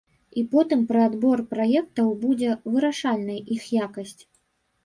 І потым пры адбор праектаў будзе вырашальнай іх якасць.